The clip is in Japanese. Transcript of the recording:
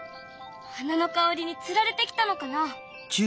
花の香りにつられて来たのかな？